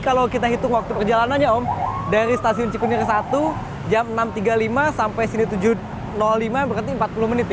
kalau kita hitung waktu perjalanannya om dari stasiun cikunir satu jam enam tiga puluh lima sampai sini tujuh lima berarti empat puluh menit ya